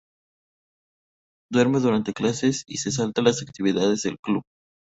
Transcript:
Duerme durante clases y se salta las actividades del club.